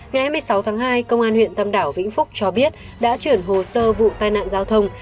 ngày hai mươi sáu tháng hai công an huyện tâm đảo vĩnh phúc cho biết đã chuyển hồ sơ vụ tai nạn giao thông